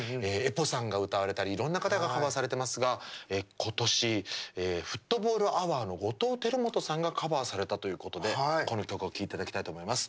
ＥＰＯさんが歌われたりいろんな方がカバーされてますが今年、フットボールアワーの後藤輝基さんがカバーされたということでこの曲を聴いていただきたいと思います。